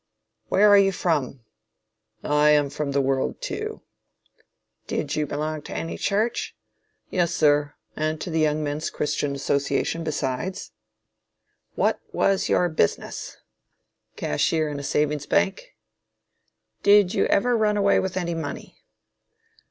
Where are you from? I am from the world too. Did you belong to any church? Yes sir, and to the Young Men's Christian Association besides. What was your business? Cashier in a Savings Bank. Did you ever run away with any money?